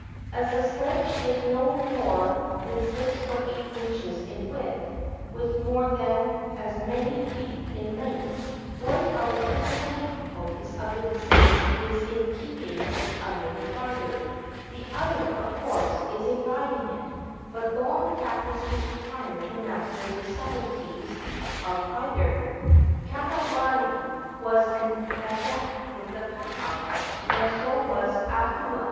As the sledge is not more than six or eight inches in width, with more than as many feet in length, one of the principal difficulties of the descent is in keeping it under the rider; the other, of course, is in guiding it; but long practice is required to master the subtleties of either. Kahavari was an adept with the papa, and so was Ahua.